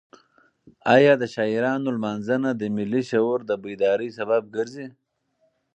ایا د شاعرانو لمانځنه د ملي شعور د بیدارۍ سبب ګرځي؟